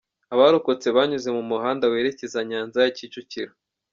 Abarokotse banyuze mu muhanda werekeza Nyanza ya Kicukiro.